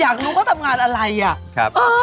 อยากรู้ที่เขาทำงานอะไรอะ